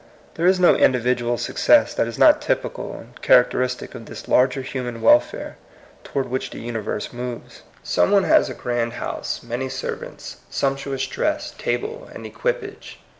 There is no individual success that is not typical and characteristic of this larger human welfare toward which the universe moves. Some one has a grand house, many ser vants, sumptuous dress, table, and equi page.